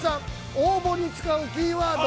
応募に使うキーワード